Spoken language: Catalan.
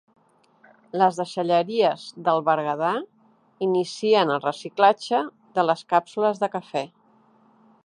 Les deixalleries del Berguedà inicien el reciclatge de les càpsules de cafè.